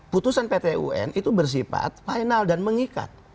putusan pt un itu bersifat final dan mengikat